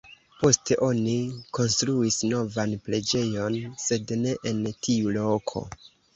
Poste oni konstruis novan preĝejon, sed ne en tiu loko.